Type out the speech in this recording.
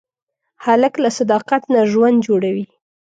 هلک له صداقت نه ژوند جوړوي.